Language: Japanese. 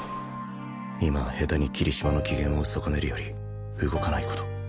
今は下手に霧島の機嫌を損ねるより動かない事